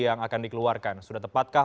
yang akan dikeluarkan sudah tepatkah